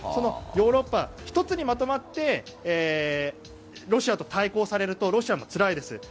ヨーロッパ、１つにまとまってロシアと対抗されるとロシアもつらいです。